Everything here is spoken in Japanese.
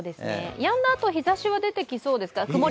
やんだあと、日ざしは出てきそうですか？